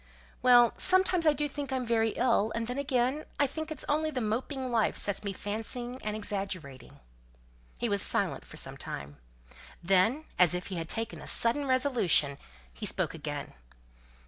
"Well, sometimes I do think I'm very ill; and then, again, I think it's only the moping life sets me fancying and exaggerating." He was silent for some time. Then, as if he had taken a sudden resolution, he spoke again.